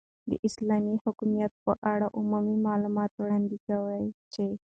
، داسلامې حكومت په اړه عمومي معلومات وړاندي كوو چې